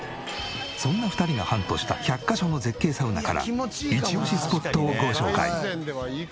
そんな２人がハントした１００カ所の絶景サウナからイチオシスポットをご紹介。